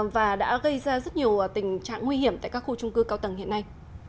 và đã gây ra rất nhiều tình trạng nguy hiểm tại các khu trung cư cao tầng hiện nay